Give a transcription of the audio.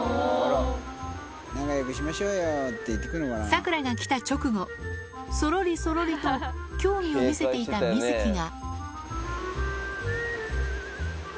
サクラが来た直後、そろりそろりと興味を見せていたミズキが。